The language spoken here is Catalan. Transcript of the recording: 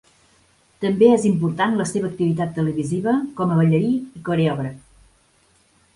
També és important la seva activitat televisiva com a ballarí i coreògraf.